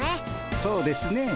そうですねぇ。